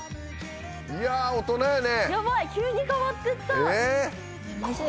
いや大人やね